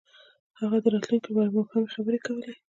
هغوی د راتلونکي لپاره مبهمې خبرې کولې.